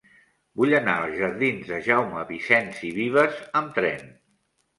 Vull anar als jardins de Jaume Vicens i Vives amb tren.